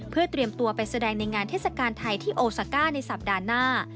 เพื่อเตรียมตัวไปแสดงในงานเทศกาลไทยที่โอซาก้าในสัปดาห์หน้า